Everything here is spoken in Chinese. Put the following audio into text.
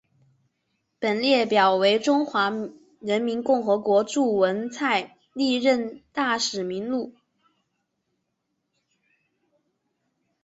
本列表为中华人民共和国驻文莱历任大使名录。